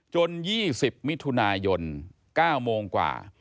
๒๐มิถุนายน๙โมงกว่า